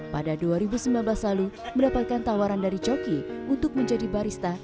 pada dua ribu sembilan belas lalu mendapatkan tawaran dari coki untuk menjadi barista